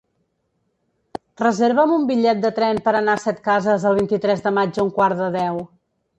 Reserva'm un bitllet de tren per anar a Setcases el vint-i-tres de maig a un quart de deu.